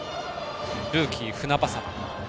ルーキー、船迫。